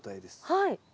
はい。